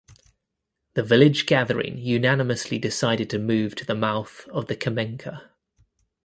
The village gathering unanimously decided to move to the mouth of the Kamenka.